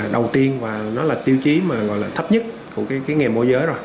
đầu tiên và nó là tiêu chí mà gọi là thấp nhất của cái nghề môi giới rồi